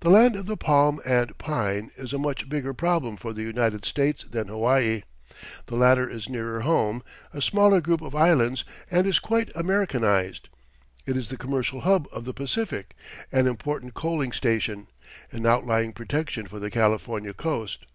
The Land of the Palm and Pine is a much bigger problem for the United States than Hawaii. The latter is nearer home, a smaller group of islands, and is quite Americanized. It is the commercial hub of the Pacific, an important coaling station, an outlying protection for the California coast.